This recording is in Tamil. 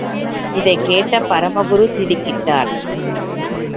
இதைக் கேட்ட பரமகுரு திடுக்கிட்டார்.